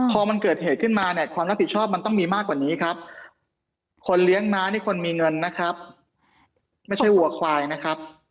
พอมันเกิดเหตุขึ้นมาเนี่ยความรับผิดชอบมันต้องมีมากกว่านี้ครับคนเลี้ยงม้านี่คนมีเงินนะครับไม่ใช่วัวควายนะครับ